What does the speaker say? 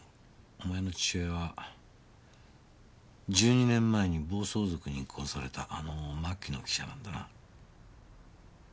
お前の父親は１２年前に暴走族に殺されたあの牧野記者なんだな。